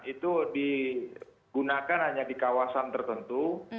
itu digunakan hanya di kawasan tertentu